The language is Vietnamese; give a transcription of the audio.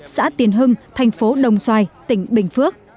xã tiền hưng thành phố đồng xoài tỉnh bình phước